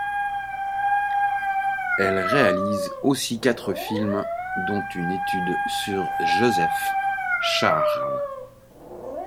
Elle réalise aussi quatre films, dont une étude sur Josef Scharl.